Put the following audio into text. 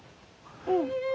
うん。